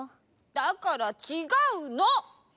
だからちがうの！